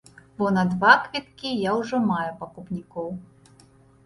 Бо на два квіткі я ўжо маю пакупнікоў.